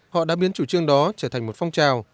họ đã biến chủ trương đó trở thành một phong trào